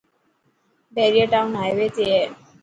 بهريا ٽاون هائوي تي هي.